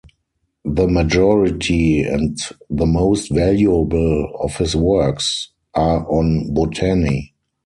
The majority and the most valuable of his works are on botany.